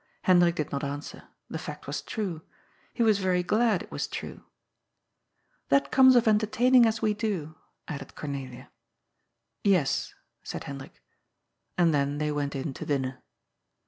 Hendrik did not answer. The fact was true. He was very glad it was true. That comes of entertaining as we do," added Cor* nelia. ^' Yes," said Hendrik meekly. And then they went in to dinner.